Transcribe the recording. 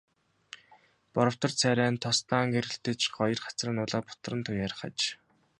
Боровтор царай нь тос даан гэрэлтэж, хоёр хацар нь улаа бутран туяарах аж.